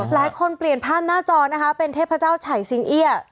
หลายคนเปลี่ยนภาพหน้าจอนะคะเป็นเทพเจ้าไฉสิงเอี้ย